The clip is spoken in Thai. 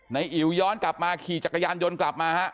อิ๋วย้อนกลับมาขี่จักรยานยนต์กลับมาฮะ